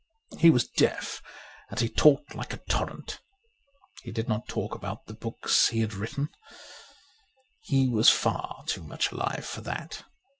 He was deaf and he talked like a torrent. He did not talk about the books he had written ; he was far too much alive for that.